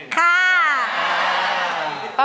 ค่ะ